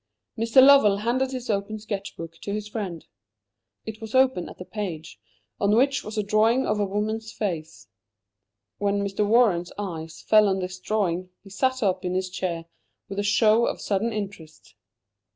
Mr. Lovell handed his open sketch book to his friend. It was open at a page on which was a drawing of a woman's face. When Mr. Warren's eyes fell on this drawing, he sat up in his chair with a show of sudden interest.